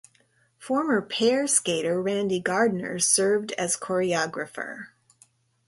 Former pair skater Randy Gardner served as choreographer.